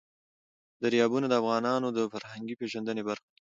دریابونه د افغانانو د فرهنګي پیژندنې برخه ده.